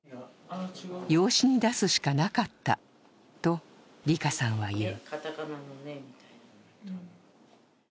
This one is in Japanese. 養子に出すしかなかったとりかさんは言う。